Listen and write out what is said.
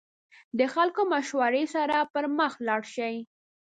د خلکو مشورې سره پرمخ لاړ شئ.